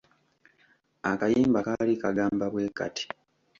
Akayimba kaali kagamba bwe kati;